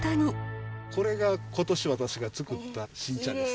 これが今年私がつくった新茶です。